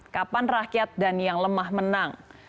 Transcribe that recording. kapan rakyat dan yang lemah menang